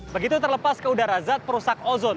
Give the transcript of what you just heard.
begitu terlepas ke udara zat perusak ozon